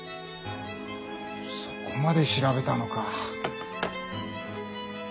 そこまで調べたのか。